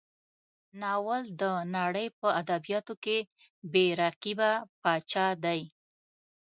ناول د نړۍ په ادبیاتو کې بې رقیبه پاچا دی.